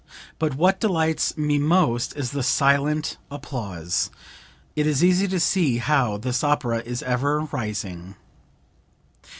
But what delights me most is the silent applause! It is easy to see how this opera is ever rising."